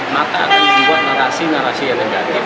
maka akan dibuat narasi narasi yang negatif